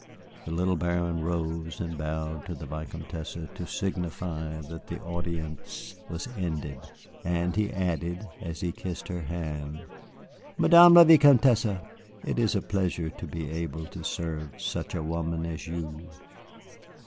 The little Baron rose and bowed to the Vicomtesse to signify that the audience was ended, and he added, as he kissed her hand, "Madame la Vicomtesse, it is a pleasure to be able to serve such a woman as you."